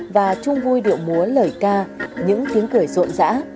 và chung vui điệu múa lời ca những tiếng cười rộn rã